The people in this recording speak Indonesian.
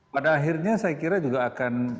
pada akhirnya saya kira juga akan